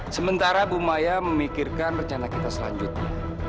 sementara bu maya memikirkan rencana kita selanjutnya